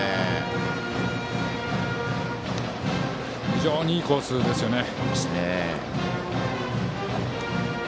非常にいいコースですね。